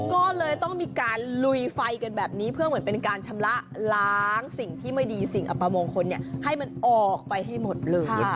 ก็เลยต้องมีการลุยไฟกันแบบนี้เพื่อเหมือนเป็นการชำระล้างสิ่งที่ไม่ดีสิ่งอัปมงคลให้มันออกไปให้หมดเลย